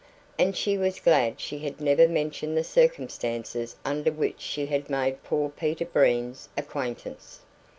And she was glad she had never mentioned the circumstances under which she had made poor Peter Breen's acquaintance.